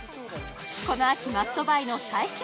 この秋マストバイの最旬